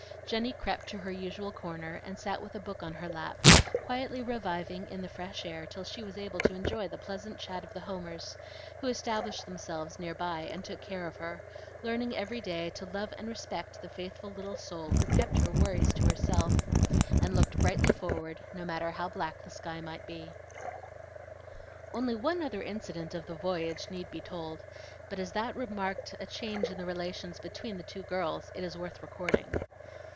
Jenny crept to her usual corner and sat with a book on her lap, quietly reviving in the fresh air till she was able to enjoy the pleasant chat of the Homers, who established themselves near by and took care of her, learning each day to love and respect the faithful little soul who kept her worries to herself, and looked brightly forward no matter how black the sky might be. Only one other incident of the voyage need be told; but as that marked a change in the relations between the two girls it is worth recording.